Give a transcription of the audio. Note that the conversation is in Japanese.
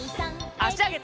あしあげて！